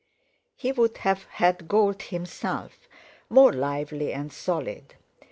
He would have had gold himself; more lively and solid.